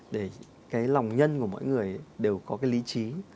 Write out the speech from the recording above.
để cái lòng nhân của mỗi người đều có cái lý trí